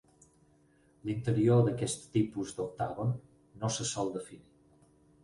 L'interior d'aquest tipus d'octàgon no se sol definir.